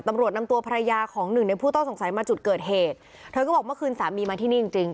ตำรวจนำตัวภรรยาของหนึ่งในผู้ต้องสงสัยมาจุดเกิดเหตุเธอก็บอกเมื่อคืนสามีมาที่นี่จริงจริง